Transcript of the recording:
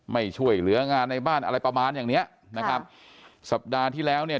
ไม่ช่วยเหลืองานในบ้านอะไรประมาณอย่างเนี้ยนะครับสัปดาห์ที่แล้วเนี่ย